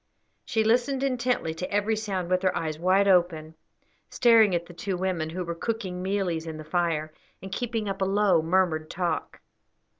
She listened intently to every sound, with her eyes wide open, staring at the two women, who were cooking mealies in the fire, and keeping up a low, murmured talk.